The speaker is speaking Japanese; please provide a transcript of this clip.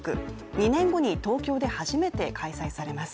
２年後に東京で初めて開催されます。